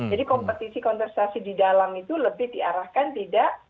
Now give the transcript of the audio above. jadi kompetisi kontrasaksi di dalam itu lebih diarahkan tidak